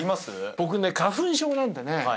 僕花粉症なんでね